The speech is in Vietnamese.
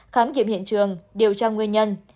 khám nghiệm hiện trường điều tra nguyên nhân